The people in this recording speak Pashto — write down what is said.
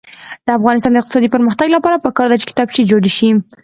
د افغانستان د اقتصادي پرمختګ لپاره پکار ده چې کتابچې جوړې شي.